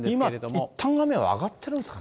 今、いったん、雨は上がってるんですかね。